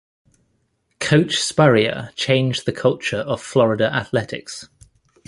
Coach Spurrier changed the culture of Florida athletics.